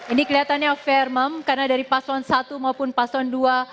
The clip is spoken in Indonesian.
ini kelihatannya fair mem karena dari paswon i maupun paswon ii